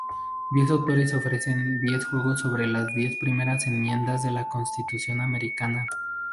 Diez autores ofrecen diez juegos sobre las diez primeras enmiendas de la constitución americana.